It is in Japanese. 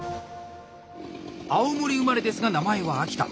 青森生まれですが名前は秋田。